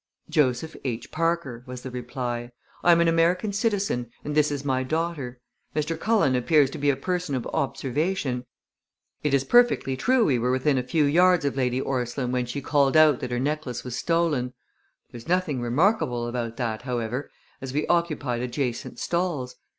"Joseph H. Parker," was the reply. "I am an American citizen and this is my daughter. Mr. Cullen appears to be a person of observation. It is true we were at the opera. It is perfectly true we were within a few yards of Lady Orstline when she called out that her necklace was stolen. There's nothing remarkable about that, however, as we occupied adjacent stalls.